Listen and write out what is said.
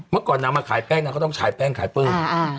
เมื่อก่อนนางมาขายแป้งนางก็ต้องขายแป้งขายปื้ม